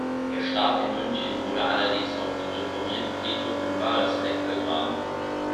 Er starb in München, wurde allerdings auf dem Reformierten Friedhof in Varresbeck begraben.